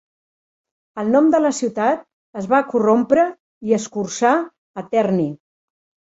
El nom de la ciutat es va corrompre i escurçar a Terni.